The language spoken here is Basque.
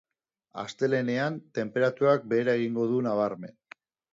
Astelehenean tenperaturak behera egingo du nabarmen.